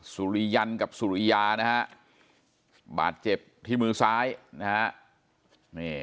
สุริยันกับสุริยานะฮะบาดเจ็บที่มือซ้ายนะฮะ